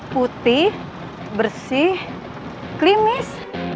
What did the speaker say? putih bersih klimis